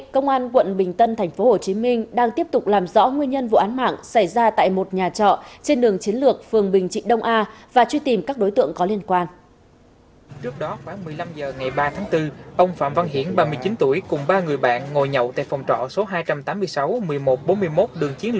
các bạn hãy đăng ký kênh để ủng hộ kênh của chúng mình nhé